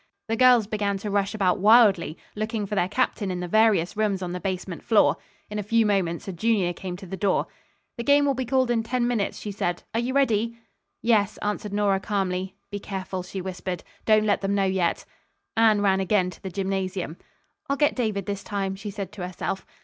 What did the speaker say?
The girls began to rush about wildly, looking for their captain in the various rooms on the basement floor. In a few moments a junior came to the door. "The game will be called in ten minutes," she said. "Are you ready?" "Yes," answered Nora calmly. "Be careful," she whispered. "Don't let them know yet." Anne ran again to the gymnasium. "I'll get David this time," she said to herself.